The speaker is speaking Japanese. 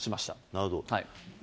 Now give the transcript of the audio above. なるほど。